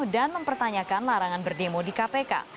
dan mempertanyakan larangan berdemo di kpk